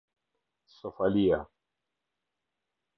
Sofalia